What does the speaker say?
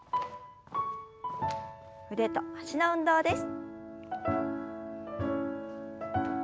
腕と脚の運動です。